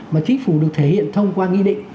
mà chính phủ được thể hiện thông qua nghị định